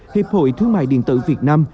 hiệp hội thương mại điện tử việt nam